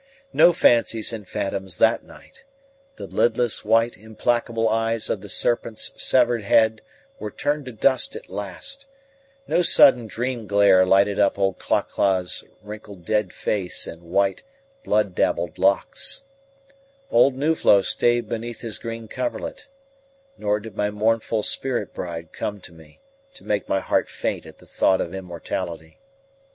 No fancies and phantoms that night: the lidless, white, implacable eyes of the serpent's severed head were turned to dust at last; no sudden dream glare lighted up old Cla cla's wrinkled dead face and white, blood dabbled locks; old Nuflo stayed beneath his green coverlet; nor did my mournful spirit bride come to me to make my heart faint at the thought of immortality.